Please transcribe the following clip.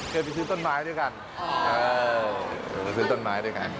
เคยไปซื้อต้นไม้ด้วยกัน